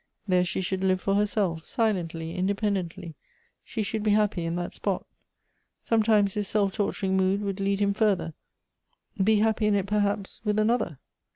There she should live for herselt; silentlj', independently ; she should be happj^ in that spot — sometimes his self torturing mood would lead him further — be happy in it, perhaps, with another.